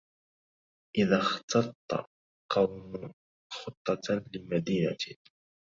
إذا اختط قوم خطة لمدينة